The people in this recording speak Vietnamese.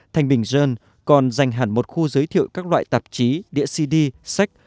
thanh bình dơn còn dành hẳn một khu giới thiệu các loại tạp chí đĩa cd sách